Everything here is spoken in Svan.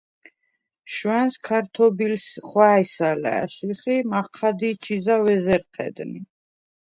შუ̂ა̈ნს ქართობილს ხუ̂ა̈ჲს ალა̄̈შიხ ი მაჴა̈დი ჩი ზაუ̂ ეზერ ჴედნი.